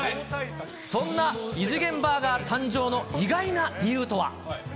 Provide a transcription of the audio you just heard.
そんな異次元バーガー誕生の意外な理由とは。